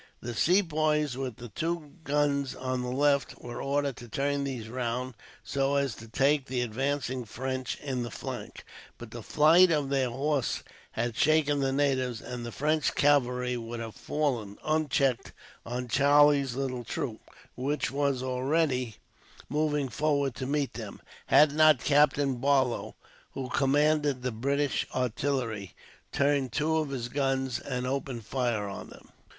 The Sepoys with the two guns on the left were ordered to turn these round, so as to take the advancing French in flank; but the flight of their horse had shaken the natives, and the French cavalry would have fallen, unchecked, on Charlie's little troop, which was already moving forward to meet them, had not Captain Barlow, who commanded the British artillery, turned two of his guns and opened fire upon them.